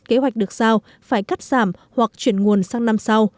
kế hoạch được sao phải cắt giảm hoặc chuyển nguồn sang năm sau